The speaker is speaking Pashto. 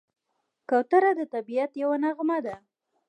کوتره د طبیعت یوه نغمه ده.